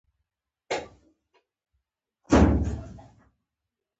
دا قیر سړک نوی جوړ شوی